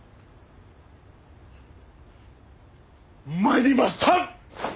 参りました！